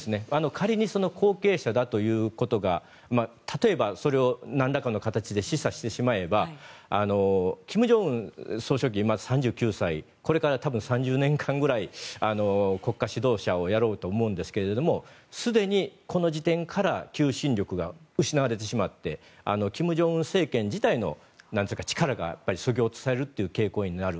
仮に、後継者ということを例えば、何らかの形で示唆してしまえば金正恩総書記、３９歳これから多分３０年間ぐらい国家指導者をやろうと思うんですけれどもすでにこの時点から求心力が失われてしまって金正恩政権自体の力がそぎ落とされる傾向になる。